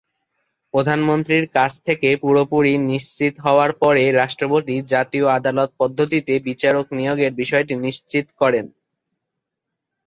প্রধানমন্ত্রীর কাছ থেকে পুরোপুরি নিশ্চিত হওয়ার পরে রাষ্ট্রপতি জাতীয় আদালত পদ্ধতিতে বিচারক নিয়োগের বিষয়টি নিশ্চিত করেন।